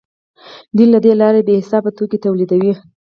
دوی له دې لارې بې حسابه توکي تولیدوي